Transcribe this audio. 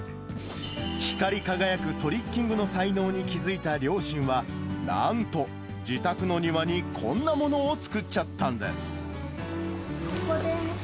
光り輝くトリッキングの才能に気付いた両親は、なんと、自宅の庭にこんなものを作っちゃここです。